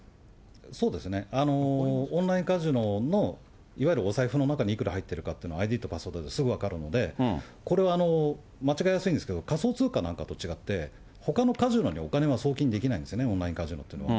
そうですね、オンラインカジノの、いわゆるお財布の中にいくら入っているかというのは、ＩＤとパスワードですぐ分かるので、これ、間違いやすいんですけど、仮想通貨なんかと違って、ほかのカジノにお金が送金できないんですね、オンラインカジノっていうのは。